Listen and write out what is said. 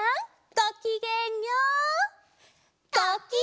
ごきげんよう！